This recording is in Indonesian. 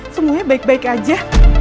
semuanya baik baik aja